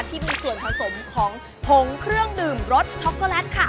ที่มีส่วนผสมของผงเครื่องดื่มรสช็อกโกแลตค่ะ